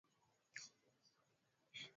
Mnuko wa kwato kutokana na majeraha